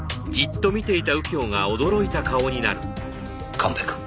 神戸くん。